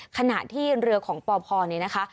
ขณะที่เรือของป่าพรรดิเนี่ยนะคะ